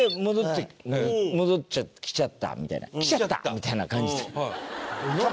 戻って「来ちゃった」みたいな「来ちゃった！」みたいな感じで。